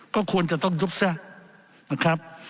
ก็ควรจะต้องยุบแทรกนะครับ